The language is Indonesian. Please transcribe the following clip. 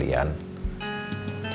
iya itu pak